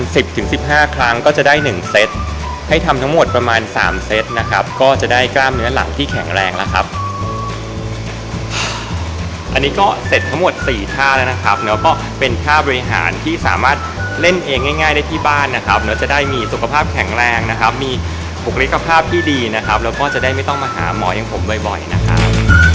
เสร็จทั้งหมดสี่ท่าแล้วนะครับเนอะก็เป็นท่าบริหารที่สามารถเล่นเองง่ายง่ายได้ที่บ้านนะครับเนอะจะได้มีสุขภาพแข็งแรงนะครับมีปกติภาพที่ดีนะครับแล้วก็จะได้ไม่ต้องมาหาหมอยังผมบ่อยบ่อยนะครับ